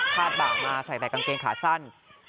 ภาพบาลมาใส่ในกางเกงขาสั้น